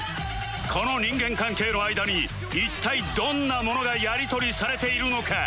この人間関係の間に一体どんな物がやり取りされているのか？